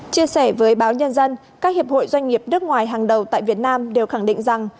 chia sẻ với báo nhân dân các hiệp hội doanh nghiệp nước ngoài hàng đầu tại việt nam đều khẳng định rằng